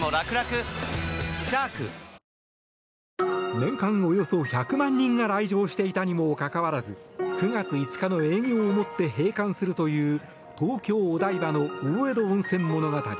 年間およそ１００万人が来場していたにもかかわらず９月５日の営業をもって閉館するという東京・お台場の大江戸温泉物語。